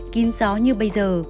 kín gió như bây giờ